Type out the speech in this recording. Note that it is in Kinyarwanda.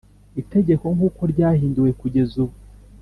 Itegeko nk’uko ryahinduwe kugeza ubu